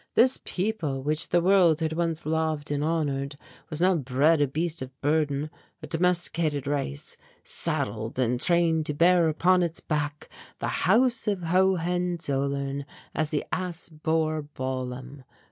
This people which the world had once loved and honoured was now bred a beast of burden, a domesticated race, saddled and trained to bear upon its back the House of Hohenzollern as the ass bore Balaam.